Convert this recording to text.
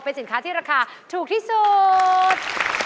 เป็นสินค้าที่ราคาถูกที่สุด